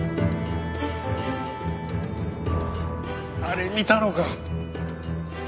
あれ見たのか。